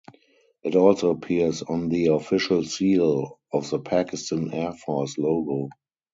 It also appears on the official seal of the Pakistan Air Force logo.